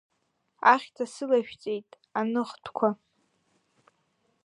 Ахьҭа сылашәҵеит, аныхтәқәа.